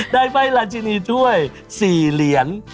ใบ้ราชินีถ้วย๔เหรียญ